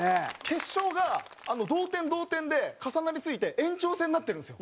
決勝が同点同点で重なりすぎて延長戦になってるんですよ。